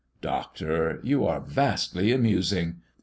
"Doctor, you are vastly amusing!